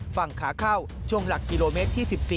ฝั่งขาเข้าช่วงหลักกิโลเมตรที่๑๔